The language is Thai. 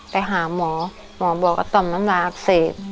ไปหาหมอหมอบอกว่าต่อมน้ำลายอักเสบ